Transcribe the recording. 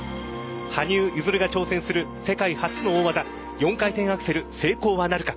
羽生結弦が挑戦する世界初の大技４回転アクセル、成功はなるか。